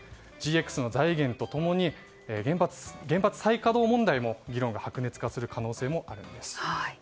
ＧＸの財源とともに原発再稼働問題も議論が白熱化する可能性もあります。